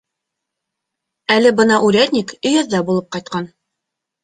Әле бына урядник өйәҙҙә булып ҡайтҡан.